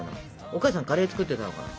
お母さんカレー作ってたのかな？